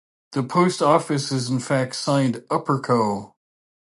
The post office is in fact signed "Upperco".